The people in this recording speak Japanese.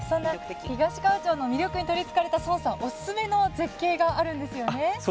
東川町の魅力にとりつかれたソンさんおすすめの絶景があるんですよね。